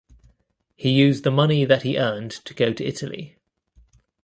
He used the money that he earned to go to Italy.